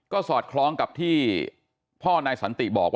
ก็สอดคล้องกับที่พ่อนายสันติบอกว่า